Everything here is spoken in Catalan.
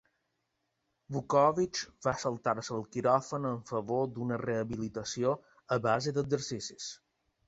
Vuckovich va saltar-se el quiròfan en favor d'una rehabilitació a base d'exercicis.